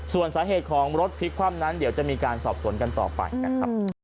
ส่วนสาเหตุของรถพลิกคว่ำนั้นเดี๋ยวจะมีการสอบสวนกันต่อไปนะครับ